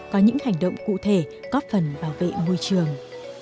có những hành động cụ thể góp phần bảo vệ môi trường